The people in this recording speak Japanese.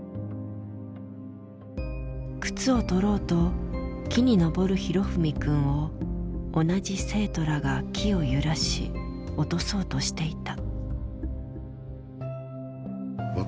靴を取ろうと木に登る裕史くんを同じ生徒らが木を揺らし落とそうとしていた。